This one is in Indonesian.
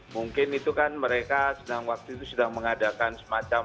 mungkin itu kan mereka sedang mengadakan semacam